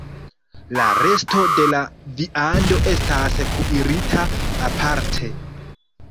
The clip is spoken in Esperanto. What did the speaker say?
La resto de la viando estas kuirita aparte.